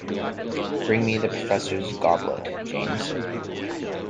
Bring me the professor's goblet, James!